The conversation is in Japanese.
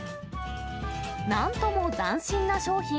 なんとも斬新な商品。